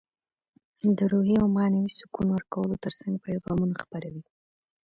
د روحي او معنوي سکون ورکولو ترڅنګ پیغامونه خپروي.